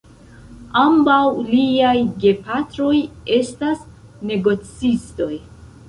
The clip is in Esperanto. Ambaŭ liaj gepatroj estas negocistoj.